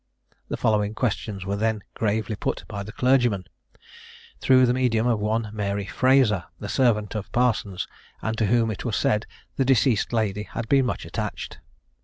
The following questions were then gravely put by the clergyman, through the medium of one Mary Frazer, the servant of Parsons, and to whom it was said the deceased lady had been much attached.